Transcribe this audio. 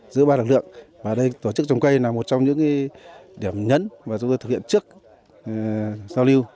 giữa ba lực lượng tổ chức chồng cây là một trong những điểm nhấn và chúng tôi thực hiện trước giao lưu